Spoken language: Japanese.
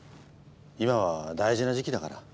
今は大事な時期だから。